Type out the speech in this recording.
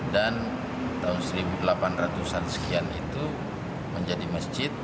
tahun seribu delapan ratus an sekian itu menjadi masjid